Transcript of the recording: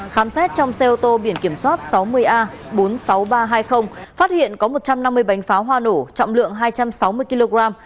khám xét trong xe ô tô biển kiểm soát sáu mươi a bốn mươi sáu nghìn ba trăm hai mươi phát hiện có một trăm năm mươi bánh pháo hoa nổ trọng lượng hai trăm sáu mươi kg